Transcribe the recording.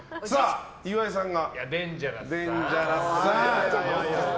岩井さんが。